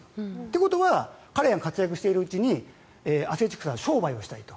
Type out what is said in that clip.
ということは彼が活躍しているうちにアスレチックスは商売したいと。